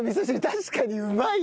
確かにうまいわ！